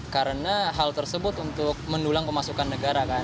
karena hal tersebut untuk mendulang kemasukan negara kan